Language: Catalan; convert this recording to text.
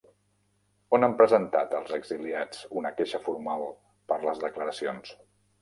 On han presentat els exiliats una queixa formal per les declaracions?